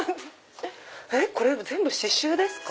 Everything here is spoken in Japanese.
これ全部刺しゅうですか？